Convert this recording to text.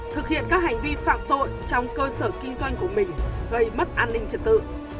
thực hiện các hành vi phạm tội trong cơ sở kinh doanh của mình gây mất an ninh trật tự